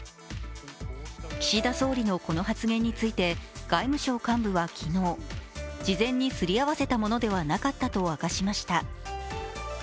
岸田総理のこの発言について外務省幹部は昨日、事前にすり合わせたものではなかったと明かしました。